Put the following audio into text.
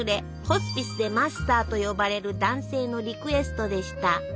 ホスピスで「マスター」と呼ばれる男性のリクエストでした。